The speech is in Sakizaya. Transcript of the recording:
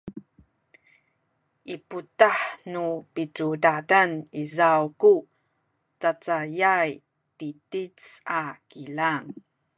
i putah nu picudadan izaw ku cacayay titic a kilang